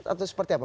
atau seperti apa